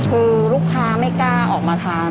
คือลูกค้าไม่กล้าออกมาทาน